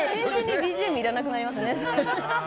ＢＧＭいらなくなりますね。